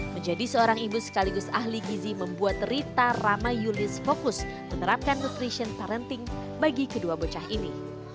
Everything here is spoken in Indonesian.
menjadi seorang ibu sekaligus ahli gizi membuat rita ramayulis fokus menerapkan nutrition parenting bagi kedua bocah ini